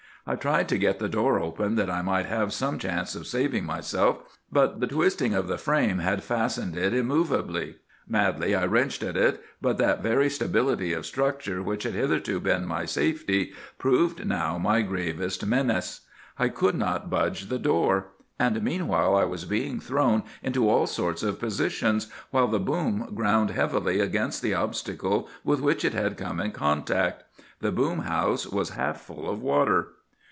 I tried to get the door open that I might have some chance of saving myself; but the twisting of the frame had fastened it immovably. Madly I wrenched at it, but that very stability of structure which had hitherto been my safety proved now my gravest menace. I could not budge the door; and, meanwhile, I was being thrown into all sorts of positions, while the boom ground heavily against the obstacle with which it had come in contact. The boom house was half full of water.